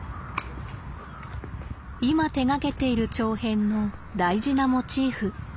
今手がけている長編の大事なモチーフ。